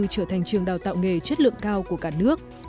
trở thành trường đào tạo nghề chất lượng cao của cả nước